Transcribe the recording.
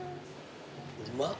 うまっ。